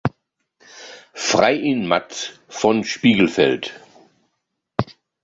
Freiin Matz von Spiegelfeld.